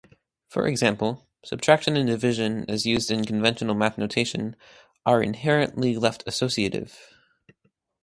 For example, subtraction and division, as used in conventional math notation, are inherently left-associative.